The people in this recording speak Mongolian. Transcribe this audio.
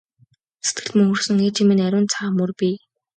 Сэтгэлд мөнхөрсөн ээжийн минь ариун цагаан мөр бий!